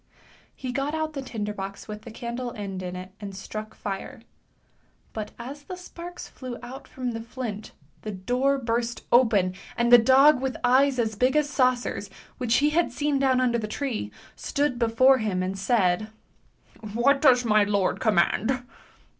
He got out the tinder box with the candle end in it and struck fire, but as the sparks flew out from the flint the door burst open and the dog with eyes as big as saucers, which he had seen down under the tree, stood before him and said, " What does my lord command?